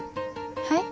はい？